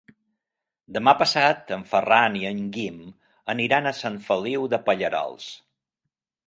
Demà passat en Ferran i en Guim aniran a Sant Feliu de Pallerols.